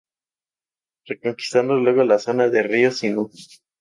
Reconquistando luego la zona del Río Sinú.